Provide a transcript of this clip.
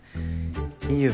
いいよ